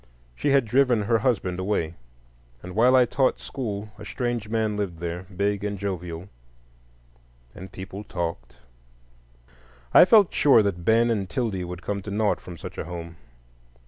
She had driven her husband away, and while I taught school a strange man lived there, big and jovial, and people talked. I felt sure that Ben and 'Tildy would come to naught from such a home.